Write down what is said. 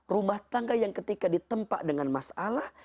rumah tangga yang ketika ditempak dengan masalah